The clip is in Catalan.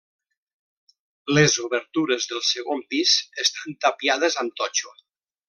Les obertures del segon pis estan tapiades amb totxo.